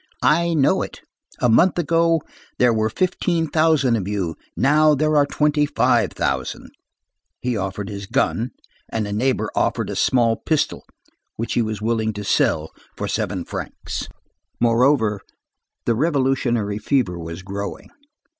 "I know it. A month ago, there were fifteen thousand of you, now there are twenty five thousand." He offered his gun, and a neighbor offered a small pistol which he was willing to sell for seven francs. Moreover, the revolutionary fever was growing.